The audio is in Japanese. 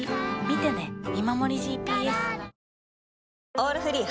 「オールフリー」